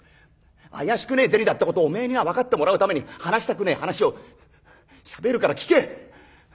怪しくねえ銭だってことをお前にな分かってもらうために話したくねえ話をしゃべるから聞け。